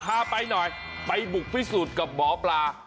พาไปหน่อยไปบุกพิสูจน์กับหมอปลา